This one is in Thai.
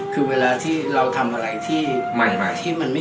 คือเวลาที่เราทำอะไรที่มันไม่เคยมี